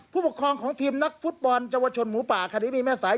ผู้ปกครองของทีมนักฟุตบอลจังหวัดชนหมูป่าอคาเดมี่แม่สาย